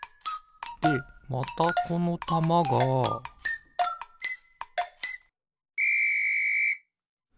でまたこのたまがピッ！